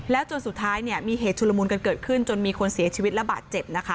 แล้วจนสุดท้ายมีเหตุชุลมูลกันเกิดขึ้นจนมีคนเสียชีวิตและบาดเจ็บ